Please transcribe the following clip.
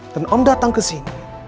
dan om datang kesini